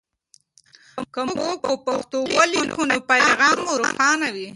که موږ په پښتو ولیکو نو پیغام مو روښانه وي.